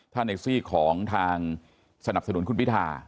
ถ้าในซีกของทางสนับสนุนคุณพิธา